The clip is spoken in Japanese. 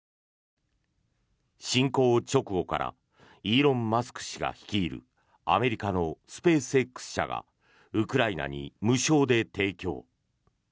侵攻直後からイーロン・マスク氏が率いるアメリカのスペースＸ社がウクライナに無償で提供。